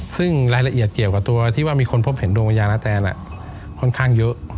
ซึ่งรายละเอียดเกี่ยวกับตัวที่ว่ามีคนพบเห็นดวงวิญญาณนาแตนค่อนข้างเยอะ